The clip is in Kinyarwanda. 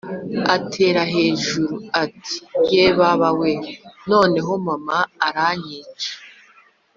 atera hejuru, ati” ye baba we, noneho mama aranyica